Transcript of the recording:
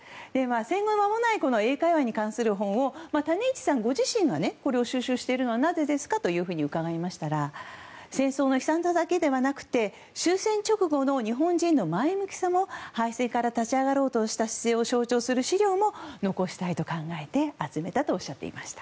戦後間もない英会話に関する本を種市さんご自身がこれを収集しているのはなぜですかと伺いましたら戦争の悲惨さだけではなくて終戦直後の日本人の前向きさ、敗戦から立ち上がろうとした姿勢を象徴する資料も残したいと考えて寄贈したと。